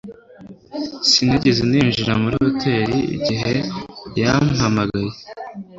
Sinigeze ninjira muri hoteri igihe yampamagaye.